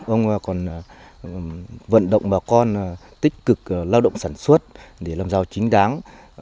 ông còn vận động bà con tích cực lao động sản xuất để làm giàu chính đáng